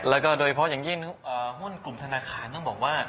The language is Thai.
แล้วก็โดยเฉพาะอย่างยิ่งหุ้นกลุ่มธนาคารต้องบอกว่า